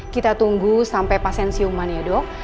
kita tunggu sampai pasien siuman ya dok